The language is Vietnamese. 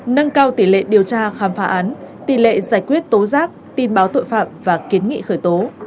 nâng cao tỷ lệ điều tra khám phá án tỷ lệ giải quyết tố giác tin báo tội phạm và kiến nghị khởi tố